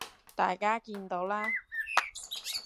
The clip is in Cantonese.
大家見到啦